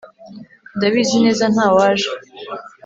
ndabizi neza ntawaje